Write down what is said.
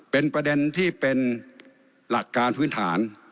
เป็นประเด็นที่เป็นหลักการพื้นฐาน